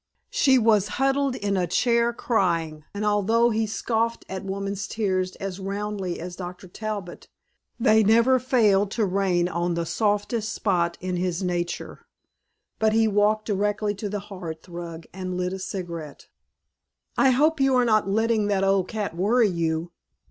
She was huddled in a chair crying, and although he scoffed at woman's tears as roundly as Dr. Talbot, they never failed to rain on the softest spot in his nature. But he walked directly to the hearth rug and lit a cigarette. "I hope you are not letting that old cat worry you."